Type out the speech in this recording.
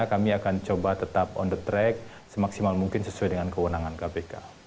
kami akan coba tetap on the track semaksimal mungkin sesuai dengan kewenangan kpk